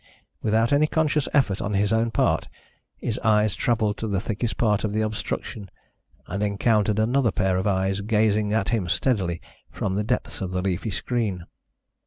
Without any conscious effort on his own part, his eyes travelled to the thickest part of the obstruction, and encountered another pair of eyes gazing at him steadily from the depths of the leafy screen.